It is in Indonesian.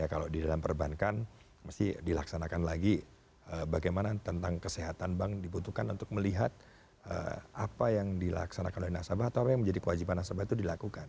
kalau di dalam perbankan mesti dilaksanakan lagi bagaimana tentang kesehatan bank dibutuhkan untuk melihat apa yang dilaksanakan oleh nasabah atau apa yang menjadi kewajiban nasabah itu dilakukan